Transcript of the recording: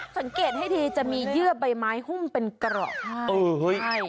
สังเกตให้ดีจะมีเยื้อใบไม้หุ้มเป็นกะห่อได้